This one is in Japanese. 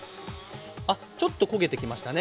あっちょっと焦げてきましたね。